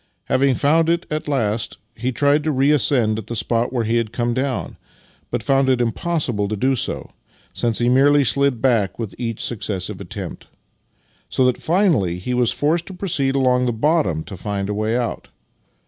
Having found it at last, he tried to reascend at the spot where he had come down, but found it impossible to do so, since he merely slid back with each successive attempt; so that fmaliy he was forced to proceed along the bottom to find a way out.